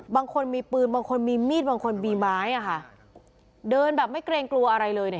บางคนมีปืนบางคนมีมีดบางคนมีไม้อ่ะค่ะเดินแบบไม่เกรงกลัวอะไรเลยเนี่ย